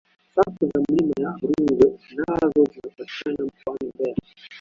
safu za milima ya rungwe nazo zinapatikana mkoani mbeya